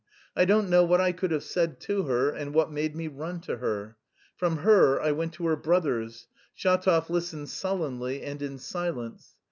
I don't know what I could have said to her and what made me run to her. From her I went to her brother's. Shatov listened sullenly and in silence.